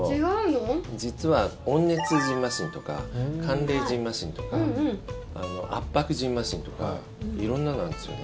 実は温熱じんましんとか寒冷じんましんとか圧迫じんましんとか色んなのがあるんですよね。